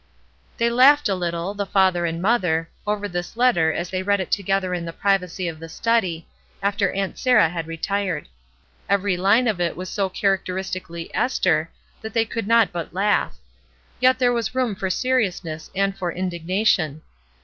They laughed a little, the father and mother, over this letter as they read it together in the privacy of the study, after Aunt Sarah had retired. Every line of it was so characteristi cally Esther that they could not but laugh. Yet there was room for seriousness and for indignation.